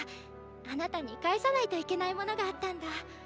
あなたに返さないといけないものがあったんだ。